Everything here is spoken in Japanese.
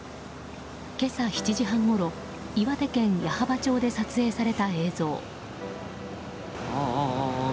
今朝７時半ごろ岩手県矢巾町で撮影された映像。